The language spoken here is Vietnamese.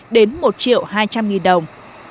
đến một triệu hai trăm linh đồng